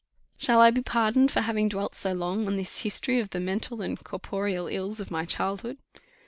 Shall I be pardoned for having dwelt so long on this history of the mental and corporeal ills of my childhood?